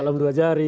salam dua jari